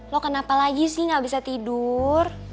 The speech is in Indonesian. lo kenapa lagi sih gak bisa tidur